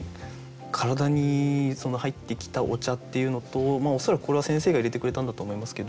体に入ってきたお茶っていうのと恐らくこれは先生が入れてくれたんだと思いますけど。